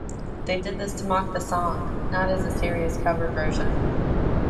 They did this to mock the song, not as a serious cover version.